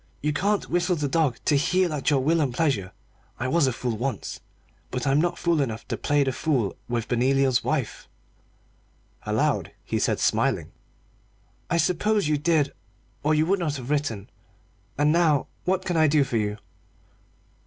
You can't whistle the dog to heel at your will and pleasure. I was a fool once, but I'm not fool enough to play the fool with Benoliel's wife." Aloud he said, smiling "I suppose you did, or you would not have written. And now what can I do for you?"